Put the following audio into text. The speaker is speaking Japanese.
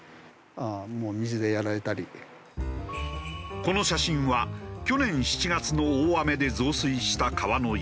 この写真は去年７月の大雨で増水した川の様子。